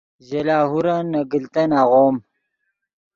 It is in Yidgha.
ژے لاہورن نے گلتن آغوم